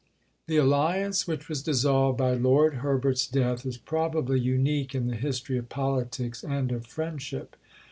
III The alliance which was dissolved by Lord Herbert's death is probably unique in the history of politics and of friendship.